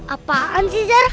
apaan sih zara